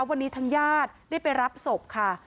วันนี้ทางญาติได้ไปรับศพค่ะ